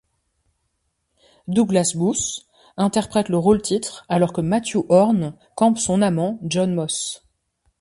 Douglas Booth interprète le rôle-titre alors que Mathew Horne campe son amant, Jon Moss.